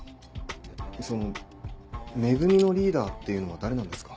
その「め組」のリーダーっていうのは誰なんですか？